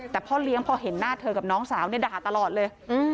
แต่พ่อเลี้ยงพอเห็นหน้าเธอกับน้องสาวเนี่ยด่าตลอดเลย